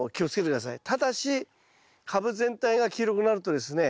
ただし株全体が黄色くなるとですね